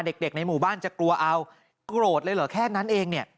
เด็กในหมู่บ้านจะกลัวเอาโกรธเลยเหรอแค่นั้นเองเนี่ย